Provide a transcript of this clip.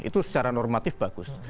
itu secara normatif bagus